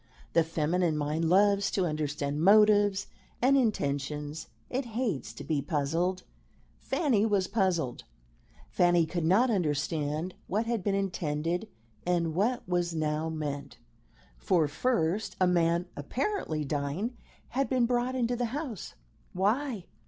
The feminine mind loves to understand motives and intentions; it hates to be puzzled. Fanny was puzzled. Fanny could not understand what had been intended and what was now meant. For, first, a man, apparently dying, had been brought into the house why?